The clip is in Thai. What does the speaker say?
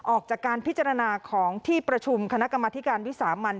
ออกจากการพิจารณาของที่ประชุมคณะกรรมธิการวิสามัน